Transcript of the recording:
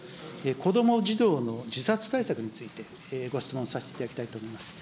子ども・児童の自殺対策について、ご質問させていただきたいと思います。